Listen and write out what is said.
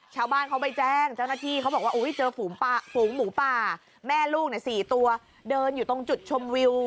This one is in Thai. ชาวบ้านเขาไปแจ้งเจ้าหน้าที่เขาบอกว่าเจอฝูงหมูป่าแม่ลูก๔ตัวเดินอยู่ตรงจุดชมวิว